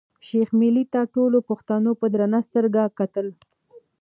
شېخ ملي ته ټولو پښتنو په درنه سترګه کتل.